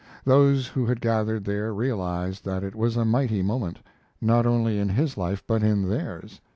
Those who had gathered there realized that it was a mighty moment, not only in his life but in theirs.